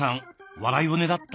笑いをねらった？